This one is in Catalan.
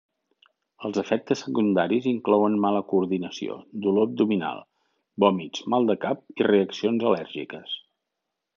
Els efectes secundaris inclouen mala coordinació, dolor abdominal, vòmits, mal de cap i reaccions al·lèrgiques.